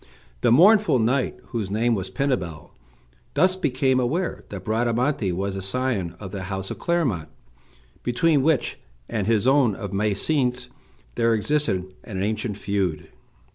The mournful knight, whose name was Pinabel, thus became aware that Bradamante was a scion of the house of Clermont, between which and his own of Mayence there existed an ancient feud.